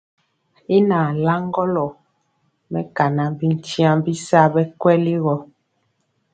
Y nalaŋgɔlɔ mɛkana bityiaŋ bisa bɛ kweli gɔ.